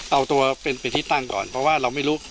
เอาตัวเป็นที่ตั้งก่อนเพราะว่าเราไม่รู้